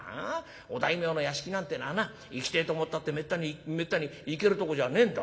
お大名の屋敷なんてえのはな行きてえと思ったってめったに行けるとこじゃねえんだ。